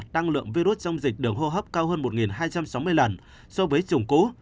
đăng lượng virus trong dịch đường hô hấp cao hơn một hai trăm sáu mươi lần so với chủng cũ